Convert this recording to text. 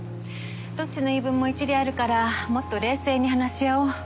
どっちの言い分も一理あるからもっと冷静に話し合おう。